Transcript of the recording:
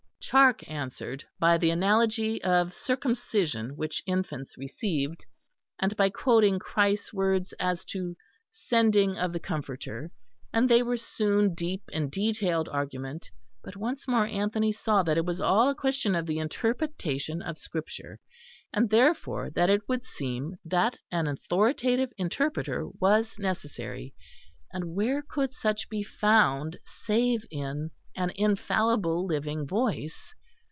Charke answered by the analogy of circumcision which infants received, and by quoting Christ's words as to "sending" of the Comforter; and they were soon deep in detailed argument; but once more Anthony saw that it was all a question of the interpretation of Scripture; and, therefore, that it would seem that an authoritative interpreter was necessary and where could such be found save in an infallible living Voice?